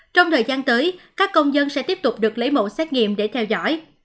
trong thời gian tới các công dân sẽ tiếp tục được lấy mẫu xét nghiệm để theo dõi